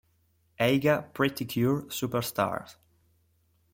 Eiga Pretty Cure Super Stars!